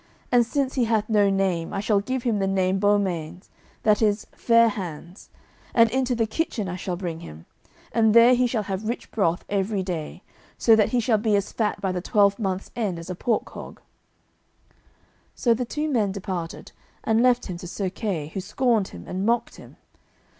And since he hath no name, I shall give him the name Beaumains, that is Fair hands, and into the kitchen I shall bring him, and there he shall have rich broth every day, so that he shall be as fat by the twelvemonth's end as a pork hog." So the two men departed, and left him to Sir Kay, who scorned him and mocked him.